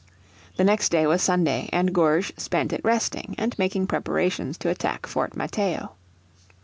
The next day was Sunday, and Gourges spent it resting, and making preparations to attack Fort Mateo.